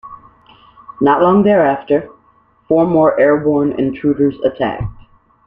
Not long thereafter, four more airborne intruders attacked.